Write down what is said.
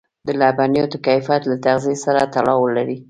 د لبنیاتو کیفیت له تغذيې سره تړاو لري.